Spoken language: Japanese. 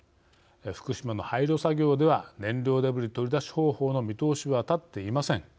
福島の廃炉作業では燃料デブリ取り出し方法の見通しは立っていません。